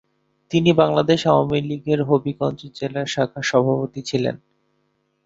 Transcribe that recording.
তিনি বাংলাদেশ আওয়ামী লীগের হবিগঞ্জ জেলা শাখার সভাপতি ছিলেন।